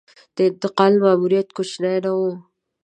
د انتقال ماموریت کوچنی نه و.